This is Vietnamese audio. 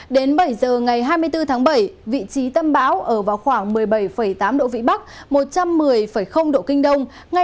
đến bảy giờ ngày hai mươi bốn tháng bảy vị trí tâm bão ở vào khoảng một mươi bảy tám độ vĩ bắc một trăm một mươi độ kinh đông